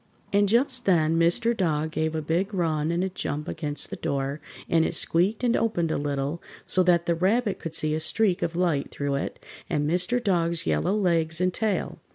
And just then Mr. Dog gave a big run and a jump against the door, and it squeaked and opened a little, so that the Rabbit could see a streak of light through it and Mr. Dog's yellow legs and tail.